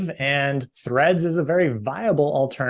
dan threads adalah pengguna yang sangat besar